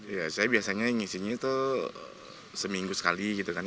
ya saya biasanya ngisinya itu seminggu sekali gitu kan